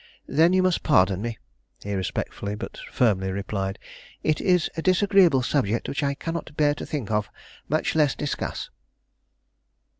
"Then you must pardon me," he respectfully but firmly replied. "It is a disagreeable subject which I cannot bear to think of, much less discuss."